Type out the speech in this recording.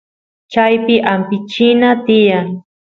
chaypi ampichina tiyan